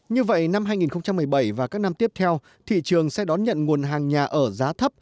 như vậy năm hai nghìn một mươi bảy và các năm tiếp theo thị trường sẽ đón nhận nguồn hàng nhà ở giá thấp